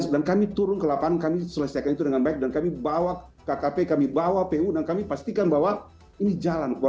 dan kami turun ke lapan kami selesaikan itu dengan baik dan kami bawa kkp kami bawa pu dan kami pastikan bahwa ini jalan